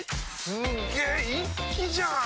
すげ一気じゃん！